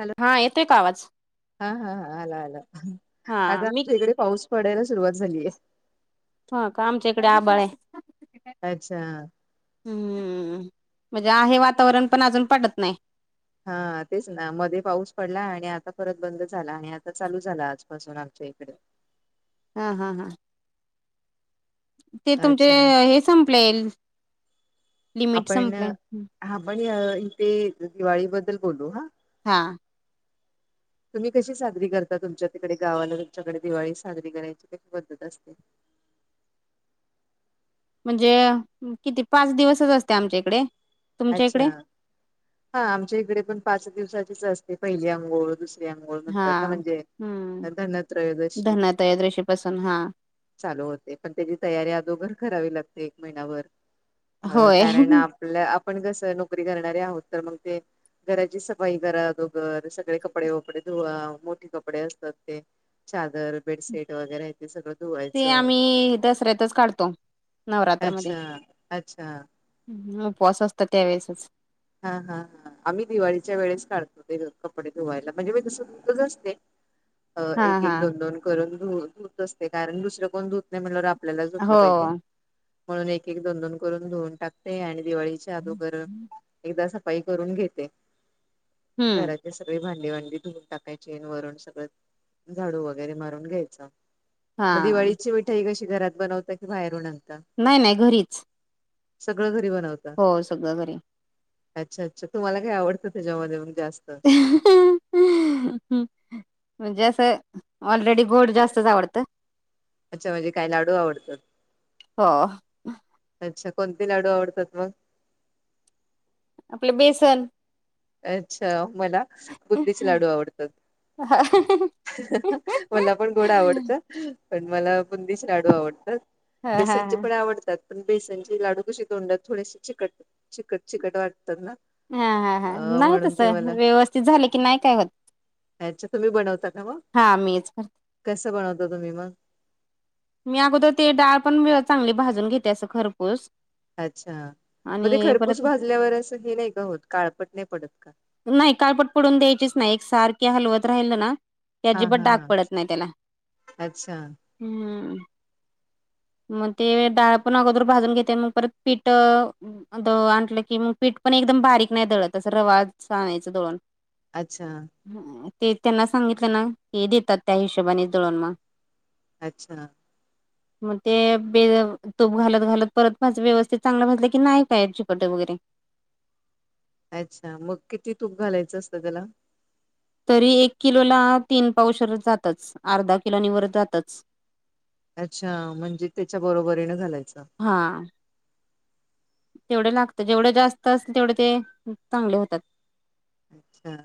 Hello हा येतेय का आवाज हा हा हा आला आला हा आता मी आमच्या इकडे पाऊस पडायला सुरुवात झालीय ह का आमच्या इकडे आभाळ आहे. अच्छा हुम् म्हणजे आहे वातावरण पण अजून पडत नाही. हा तेच ना मध्ये पाऊस पडला आणि आता परत बंद झाला आणि आता चालू झाला आजपासून आमच्या इकडे. हा हा हा ते तुमचे अच्छा हे संपलं येईल लिमिट संपलंय हुम हा पण इथे दिवाळी बद्दल बोलू हा हा तुम्ही कशी साजरी करता तुमच्या तिकडे गावाला तुमच्याकडे दिवाळी साजरी करायची कशी पद्धत असते. म्हणजे म किती पाच दिवसच असते आमच्या इकडे तुमच्या अच्छा इकडे हा आमच्या इकडे पण पाच दिवसाचीच असते पहिली अंघोळ दुसरी आघोळ हा म्हणतात म्हणजे हम्म त्यां त्यांना त्रयोदशी वैरे धनत्रयोदशी पासून हा चालू होते पण त्याची तयारी अदोघर करावी लागते एक महिना भर अ होय कारण आपलं आपण कसं नोकरी करणारे आहोत तर मग ते घराची सफाई करा दोघर सगळे कपडे वपडे धुवा मोठे कपडे असतात ते चादर बेडशीट वगैरे ते सगळ धुवा ते आम्ही दसऱ्यातच काढतो नवरात्रामध्ये अच्छा अच्छा हु उपवास असत त्यावेेळेसच हा हा हा आम्ही दिवाळीच्या वेळेस काढतो ते कपडे धुवायला म्हणजे मी तसं धुतच असते. अ हा एक एक हा दोन दोन करून ध धुत असते कारण दुसरं कोण धुत म्ह हो आपल्यालातलं पाहिजे म्हणून एक एक दोन दोन करून धुऊन टाकते आणि दिवाळीच्या. दोर एकदा सफाई करून घेते हम्म घरा सगळी भांडीवांडी धुवून टाकायचीन वरून सगळं झाडू वगैरे मारून घ्यायचं. मग हा दिवाळीची मिठाई कशी घरात बनवता की बाहेरून आणता नाही नाही घरीच. सगळं घरी बनवतात. हो सगळ घरी. अच्छा अच्छा, तुम्हाला काय आवडतं त्याच्यामध्ये मग जास्त? हम् म्हणजे असं ऑलरेडी गोड जास्तच आवडतं. अच्छा म्हणजे काय लाडू आवडतात? हो अच्छा कोणते लाडू आवडतात मग? आपले बेसन अच्छा, मला बुंदीचे लाडू आवडतात. हा ह ह ह मला पण गोड आवडतं. पण मला बुंदीचे लाडू आवडतात. हा हा बेसनचे पण आवडतात. पण बेसनचे लाडू कसे तोंडात थोडेसे चिकट चिकट चिकट वाटतात ना. हा हा हा अ नाही म्हणून तस ते मला व्यवस्थित झाले की नाही काय होत. अच्छा, तुम्ही बनवता का मगं? हा मीच करते कस बनवता तुम्ही मग? मी अगोदर ते डाळ पण चांगली भाजून घेते. असं खरपुस अच्छा मध्ये खरपूस भाजल्यावर असं हे नाही का होत काळपट नाही पडत का? नाही. काळपट पडून द्यायचीच नाही. एक सारखी हलवत राहिल ना. की हा अजिबात हा डाग हा पडत नाही त्याला अच्छा, हम्म मग ते डाळ पण अगोदर भाजून घेते. मग परत पीठ दळून आणलं. की मग पीठ पण एकदम बारीक नाही दळत असं रवाळच आणायचं दळुण अच्छा, ते त्यांना सांगितलं ना. ते देतात त्या हिशोबाने दळूण मग अच्छा, मगं ते बे तुप घालत घालत परत माझ व्यवस्थित चांगला भाजल की नाही काय चिकटं वगैरे अच्छा, मग किती तूप घालायचं असतं. त्याला, तरी एक किलोला तीन पाऊशर जातच. अर्धा किलोनी वर जातच. अच्छा, म्हणजे त्याच्या बरोबरीन घालायच. हा, तेवढे लागतात. जेवढे जास्त असल तेवढे ते चांगले होतात. अच्छा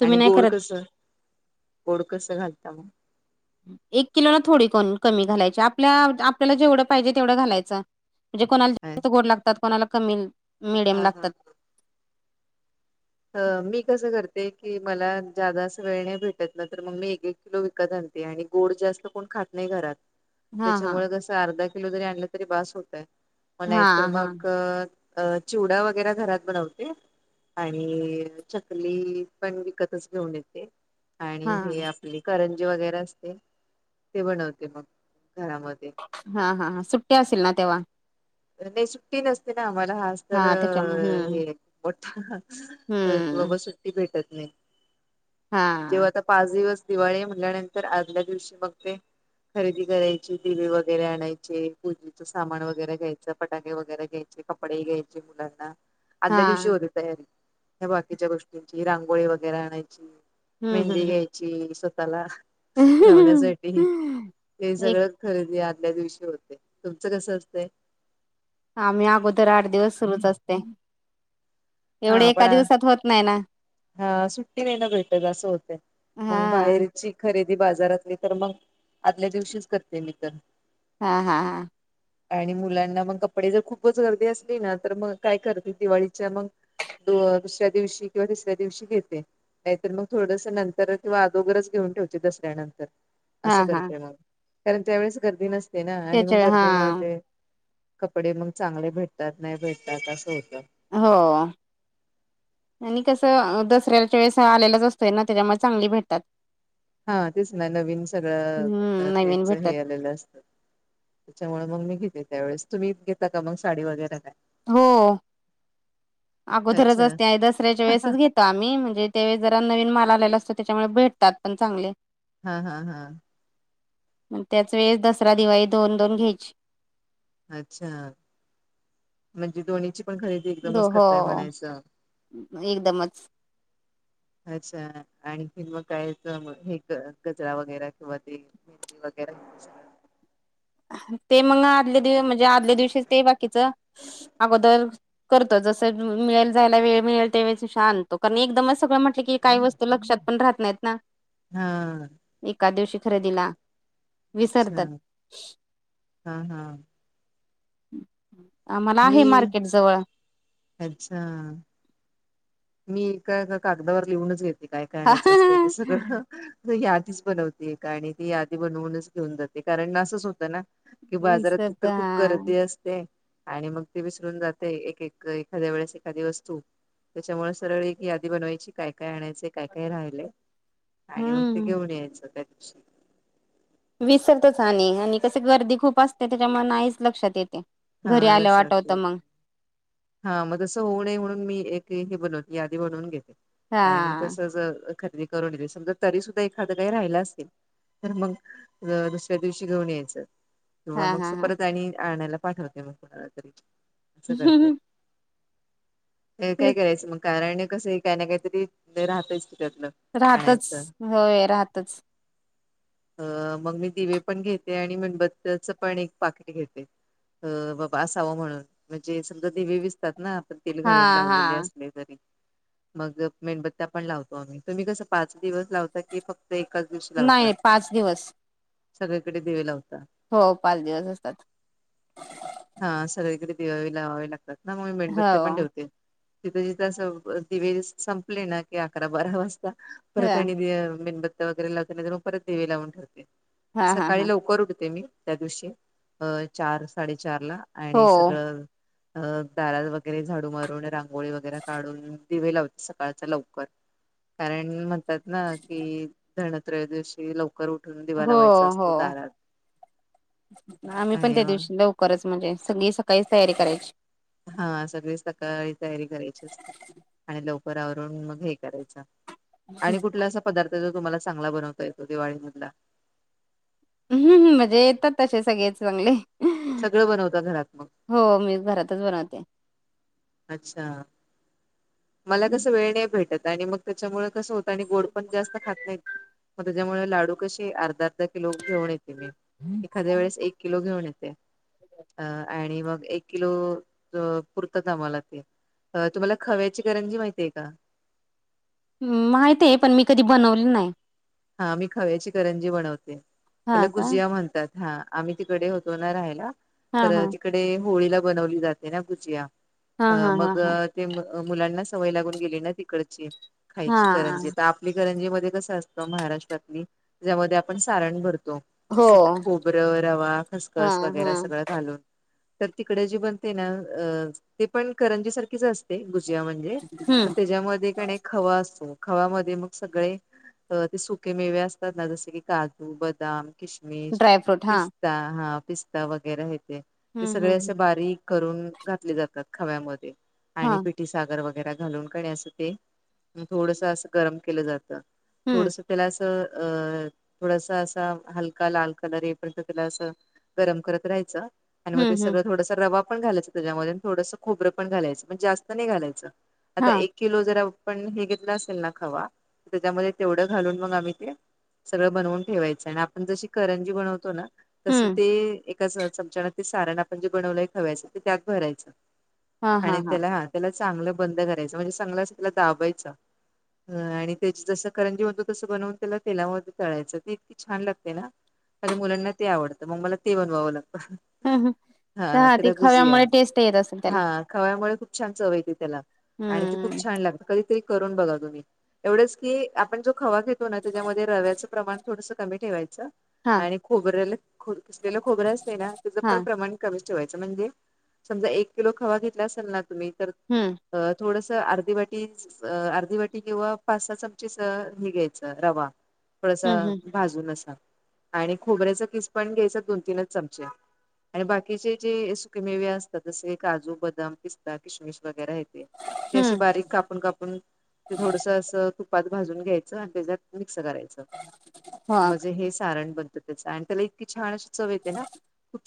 तुम्ही आणि नाही गोड करत. कसं गोड कसं घालता मग, एक किलोला थोडी कमी घालायची आपल्या आपल्याला जेवढं पाहिजे तेवढं घालायचं. म्हणजे कोणाला जास्त हा गोड लागतात. कोणाला कमी मिडियम हा लागतात. अ मी कसं करते की मला जादा अस वेळ नाही भेटत ना तर मग मी एक किलो विकत आणते आणि गोड जास्त कोण खात नाही घरात. हा हा त्याच्यामुळे कसं अर्धा किलो जरी आणलं तरी बास होतय. मग हा नाहीतर हा मग, अ चिवडा वगैरे घरात बनवते. चकली पण विकतच घेऊन येते आणि हा हे आपले करंजी वगैरे असते ते बनवते मग घरामध्ये. हा हा हा सुट्टी असेल ना तेव्हा? नाही सुट्टी नसते ना आम्हाला हाच तर हा त्याच्यामुळे हम्म हे मोठा की हम्म बाबा सुट्टी भेटत नाही. हा जेव्हा आता पाच दिवस दिवाळी म्हणल्यानंतर, आदल्या दिवशी मग ते खरेदी करायची. दिवे वगैरे आणायचे. पूजेचं सामान वगैरे घ्यायचे. फटाके वगैरे घ्यायचे. कपडे घ्यायचे. मुलांना आदल्या दिवशी हा होते. तयारी बाकीच्या गोष्टींची रांगोळी वगैरे आणायची. हम्म मेहंदी हम्म घ्यायची. ची स्वतःला हम्म लावण्यासाठी हे एक सगळं खरेदी आदल्या दिवशी होते. तुमचं कस असतंय? आम्ही अगोदर आठ दिवस सुरूच असते. एवढे हा एका पण दिवसात होत नाही ना. हा सुट्टी नाही ना भेटत असं होत हा मग बाहेर. ची खरेदी बाजारातली तर मग आदल्या दिवशीच करते मी तर हा हा हा ह आणि मुलांना मग कपडे जर खूपच गर्दी असली ना तर मग काय करते दिवाळीच्या मग दुस्या दिवशी किंवा दिवशी घेते नाहीतर मग थोडस नंतर किंवा अगोगरच घेऊन ठेवचे दसऱ्यानंतर असं हा हा करते मग कारण त्यावेेळेस गर्दी नसते ना आणि मग त्याच्या हा गर्दीमध्ये कपडे मग चांगले भेटतात नाही भेटतात असं होतं हो आणि कसं दसऱ्याच्या वेळेस आलेलाच असतोय ना त्याच्यामुळे चांगली भेटतात हा तेच ना नवीन सगळं हम्म नवीन त्याच भेटतात हे आलेलं असत त्याच्यामुळे मग मी घेते त्यावेळेस तुम्ही घेतता का मग साडी वगैरे काय हो अगोदरच अच्छा. असते आणि दसऱ्याच्या वेळेसच घेतो आ्ही म्हणजे तेवेळे जरा नवीन माल आलेला असतो त्याच्यामुळे भेटतात पण चांगले हा हा हा मग त्याच वेळेस दसरा दिवाळी दोन दोन घ्यायची अच्छा म्हणजे दो्हीची पण खरीे हो हो एकदमच [inaudible] अच्छा आणखी मग कायच हे कचरा वगैरा किंवा ते वगैरे ते मग आदले दिव म्हणजे आदल्या दिवशी ते बाकीच अगोदर करतो जसं मिळेल जायला वेळ मिळेल त्या वेळे श आणतो कारण एकदमच सगळं म्हटलं की काही वस्त तो लक्षात पण राहत नाहीत ना हा एका दिवशी खरे दिला अच्छा हा हा मला मी आहे मार्केट जवळ अच्छा मी एका एका कागदावर लिहूनच घेते काय काय आणायचे असते ते सगळं त यादीच बनवते आणि ती यादी बनवूनच घेऊन जाते कारण असंच होतं ना कि बाजारात विसरत तर खूप हा गर्दी असते आणि मग ते विसरून जाते एक एक एखाद्या वेळेस एखादी वस्तू त्याच्यामुळे सरळ एक यादी बनवायची काय काय आणायचं काय काय राहिले आणि मग ते हम्म घेऊन यायचं त्या दिवशी विसरतच आणि आणि कस गर्दी खूप असते त्याच्यामुळे आईच लक्षात येते घरी हा आल्या लक्षात वाटवतं येईल मग हा मग तसं होऊ नये म्हणून मी एक हे बनव यादी बनवून घेते हा आणि मग तसच खरेदी करून येेत समजा तरी सुद्धा एखादं काही राहिलं असेल तर मग दुसऱ्या दिवशी घेऊन यायचं किंवा हा मग हा स हा परत आणि आणायला पाठवते मग कोणाला तरी असं करते काय तेच करायचं मग कारण कसं काही ना काहीतरी राहतयच त त्यातलं. राहतच आणायचं होय राहतच अ मग मी दिवे पण घेते आणि मणबत्तच पण एक पाखरी घेते बाबा असावं म्हणून म्हणजे समजा दिवे विसतात ना आपण तेल हा घालून हा लावलेले असले मग मेणबत्ता्या पण लावतो आम्ही तुम्ही कस पाच दिवस लावता की फक्त एककाच नाही पाच दिवस. सगळीकडे दिवे लावता. हो पाच दिवस असतात. हा सगळीकडे दिवेवे लावावे लागतात ना म मी हो मेणबत्या पण ठेवते. तिथं जिथं असं दिवे संपले ना की अकरा बारा वाजता. ह परत आणि बे मेणबत्या वगैरे लावते नाही त मग परत दिवे लावून ठेवते. हा हा हा सकाळी लवकर उठते मी त्या दिवशी अ चार साडेचार ला. हो आणि सगळं अ दारात वगैरे झाडू मारून रांगोळी वगैरे काढून दिवे लावत सकाळच्या लवकर. कारण म्हणतात ना की धनत्रयोदिवशी लव करऊठ हो हो आम्ही पण आणि त्या मग दिवशी लव करच म्हणजे सगळी सकाळीच तयारी करायची. हा सगळी सकाळी तयारी करायची असते. आणि लवकर आवरून मग हे करायचं. आणि कुठला असा पदार्थ जो तुम्हाला चांगला बनवता येतो दिवाळी मधला. हूं म्हणजे येतात तसे सगळेच चांगले. सगळं बनवताात घरात मग. हो मी घरातच बनवते. अच्छा. मला कसं वेळ नाही भेटत, आणि मग त्याच्यामुळे कसं होत, आणि गोड पण जास्त खात नाहीत. म त्याच्यामुळे लाडू कसे अर्धा अर्धा किलो घेऊन येते मी एखाद्या वेळेस एक किलो घेऊन येते. अ आणि मग एक किलो पुरत ता मला ती तुम्हाला खव्याची करंजी माहिती आहे का? मं माहित हे पण मी कधी बनवले नाही. हा मी खव्याची करंजी बनवते, त्याला हा का? गुजिया म्हणतात. हा आम्ही तिकडे होतो ना राहायला हां, तर हां. तिक डे होळीला बनवली जाते ना गुजिया हां, हं हां, हां, मग हां. ते मुलांना सवय लागून गेली ना तिकडची खायची करंजी हां, तर आपली करंजी मध्ये कस अस त महाराष्ट्रातली ज्यामध्ये आपण सारण भरतो. हो. जसं की खोबरं रवा खसखस हां, वगैरे हां. सगळं घालून तर तिकडे जे बनते ना अ ते पण करंजी सारखीच अस ते गुजिया म्हणजे हं, त्याच्यामध्ये कनी खवा असतो खवामध्ये मग सगळे ते त सुके मेवे असतात ना जसे की काजू बदाम किशमिश ड्रायफ्रूट हां. पिस्ता हा पिस्ता वगैरे हे ते ते हं, सगळे हं, हं. असे बारीक करून घातले जातात खव्यामध्ये आणि हां. की सागर व घालून अस ते थोडस अस गरम केलं जात हं, थोडस त्याला असं अ थोडासा असा हलका लाल कलर येपर्यंत त्याला असं गरम करत राहायचं. आण म ते हं, हं. सगंळ थोडंस रवा पण घालायचं त्याच्यामध्ये थोडंस खोबरंपण घालायचं पण जास्त नाही घालायचं. आता हां, एक किलो जर आपण हे घेतलं असेल ना खवा त्याच्यामध्ये तेवढं घालून मग आम्ही ते सगळं बनवून ठेवायचं आणि आपण जशी करंजी बनवतो ना तसं हं. ते एका च चमचाना ते सारण आपण जे बनवलंय खव्याचं ते त्यात भरायच. हां, आणि हां, हां. त्याला हा. त्याला चांगलं बंद करायचं म्हणजे चांगलं असं त्याला दाबायचं आणि त्याच जस करंजी मधल तसं बनवून त्याला तेलामध्ये तळायचं ते इतकी छान लागते ना. माझ्या मुलांना ते आवडतं मग मला ते बनवावं लागतं. अ हा! हा त्याला गुजीया त्याला. हा खव्यामुळे खूप छान चवयेती त्याला. आणि ते खूप हं. छान लाग कधीतरी करून बघा तुम्ही एवढच की आपण जो खवा घेतो ना त्याच्यामध्ये रव्याच प्रमाण थोडस कमी ठेवायचं हां, आणि खोबऱ्याल खिसलेल खोबरं असत ना त्याचं पण हां. प्रमाण कमीच ठेवायचं म्हणजे समजा एक किलो खवा घेतला असेल ना तुम्ही तर हम्म! अ थोडस अर्धी वाटी अर्धी वाटी किंवा पासा च कस थोडस हे घ्याच रवा थोडस! हं, हं. भाजूना आसा आणि खोबऱ्याचा खिस पण घ्यायचा दोन तीनच चमचे. आणि बाकीचे जे सुकेमेवे असतात जसे काजू बदाम, पिस्ता, किशमिश वगैरे आहे ते! ते असे हं. बारीक कापून कापून ते थोडस अस तुपात भाजून घ्यायचं आणि त्याच्यात मिक्स करायचं. हो, म्हणजे हे सारण बनतं त्याच आणि त्याला इतकी छान अशी चव येते ना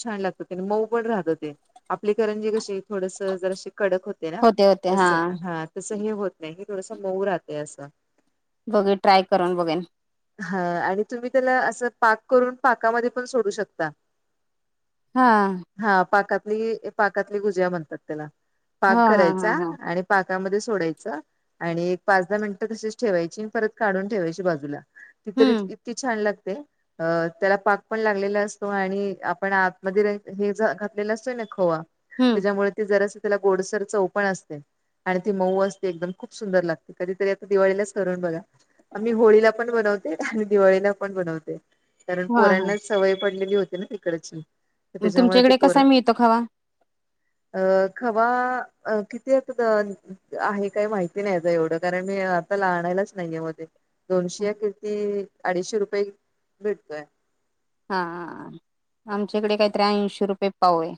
छान लागत मऊ पण राहतं ते आपली करंजी कशी थोडस जराशी कडक होते ना होते. तस हां, हा. तसं हे होत नाही हे थोडस मऊ राहतं असं. बघेन ट्राय करून बघेन. हा आणि तुम्ही त्याला असं पाक करून पाकामध्ये पण सोडू शकता. हा! हा पाकातली पाकातली भुजया म्हणतात त्याला पाक हां, हां, हां, करायचा हां. आणि पाकामध्ये सोडायचा आणि एक पाच दहा मिनिटं तशीच ठेवायची परत काढून ठेवायची बाजूला. ती तरी हं. इतकी छान लागते. अ त्याला पाक पण लागलेला असतो आणि आपण आतमध्ये हे घातलेला असतोय ना खवा हम्म त्याच्यामुळे ते जरास त्याला गोडसर चौपण असते. आणि ते मऊ असते एकदम खूप सुंदर लागते कधीतरी आता दिवाळीला करून बघा आम्ही होळीला पण बनवते आणि दिवाळीला पण बनवते कारण हा हा पोरांना सवय पडलेली होती ना तिकडची. तर त्याच्यामुळे ते तुमच्याकडे पोर कसा मिळतो खवा? [inaudible] अ खवा किती आहे काही माहिती नाही एवढं कारण मी आणलाच नाहीय मध्ये दोनशे या किती अडीचशे रुपये भेटतोय. हां हा! आमच्याकडे काही ऐंशी रुपये पाऊ आहे.